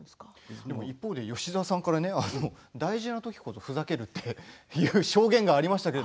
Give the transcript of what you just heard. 一方で吉沢さんから大事なときこそふざけるという証言がありました。